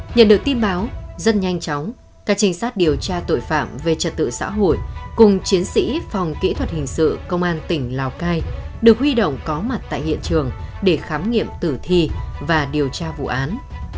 nhận được tin báo rất nhanh chóng các trinh sát điều tra tội phạm về trật tự xã hội cùng chiến sĩ phòng kỹ thuật hình sự công an tỉnh lào cai được huy động có mặt tại hiện trường để khám nghiệm tử thi và điều tra vụ án